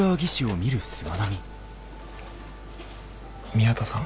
宮田さん。